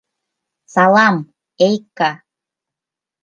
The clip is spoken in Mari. — Салам, Эйкка!